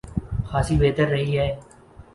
خاصی بہتر رہی ہے۔